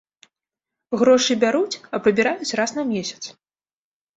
Грошы бяруць, а прыбіраюць раз на месяц.